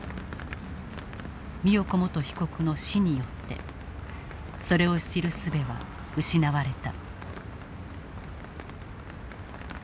美代子元被告の死によってそれを知るすべは失われた。